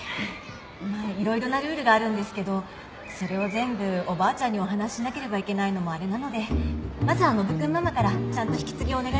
まあ色々なルールがあるんですけどそれを全部おばあちゃんにお話ししなければいけないのもあれなのでまずはノブ君ママからちゃんと引き継ぎをお願いします。